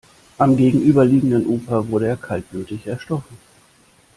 Am gegenüberliegenden Ufer wurde er kaltblütig erstochen.